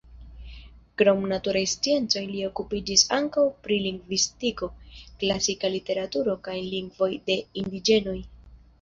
Krom naturaj sciencoj li okupiĝis ankaŭ pri lingvistiko, klasika literaturo, kaj lingvoj de indiĝenoj.